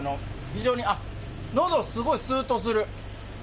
非常に、あっ、のど、すごいすーっとする。